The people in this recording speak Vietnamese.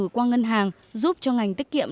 qua ngân hàng giúp cho ngành tiết kiệm